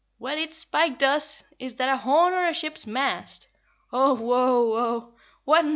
"Well, it's spiked us is that a horn or a ship's mast? Oh woe, oh!